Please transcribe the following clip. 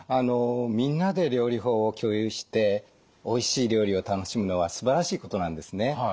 みんなで料理法を共有しておいしい料理を楽しむのはすばらしいことなんですね。